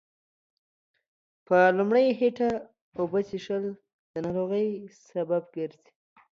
په لمړه هيټه اوبه څښل دا ناروغۍ سبب ګرځي